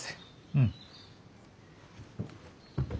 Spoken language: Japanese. うん。